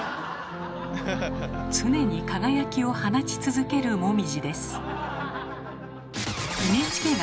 常に輝きを放ち続けるもみじです。